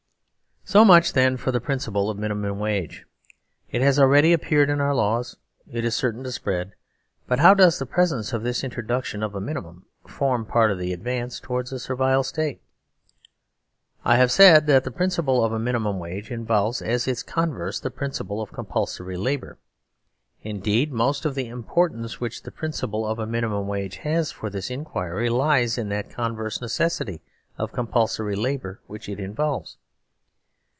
So much, then, for the Principle of a Minimum Wage. It has already appeared in our laws. It is cer tain to spread. But how does the presence of this in troduction of a Minimum form part of the advance towards the Servile State? I have said that the principle of a minimum wage involves as its converse the principle of compulsory labour. Indeed, most of the importance which the principle of a minimum wage has for this inquiry 172 SERVILE STATE HAS BEGUN lies in that converse necessity of compulsory labour which it involves.